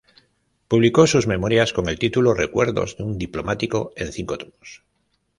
Publicó sus memorias con el título "Recuerdos de un diplomático" en cinco tomos.